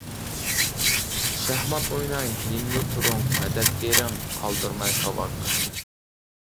شاھمات ئويناي يېنىمدا تۇرۇڭ، مەدەت بېرىڭ، قالدۇرماي كاۋاك.